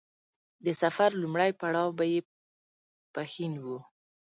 د سفر لومړی پړاو به يې پښين و.